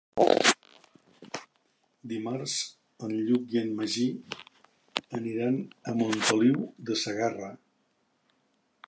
Dimarts en Lluc i en Magí aniran a Montoliu de Segarra.